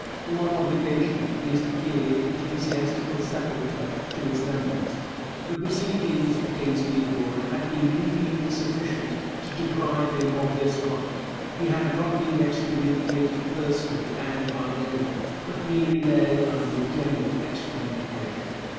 One obligation is to give ecclesiastical sepulchre to its members. The proceedings against Guibord had been legally insufficient to deprive him of this right; he had not been excommunicated personally and by name, but merely lay under a general excommunication.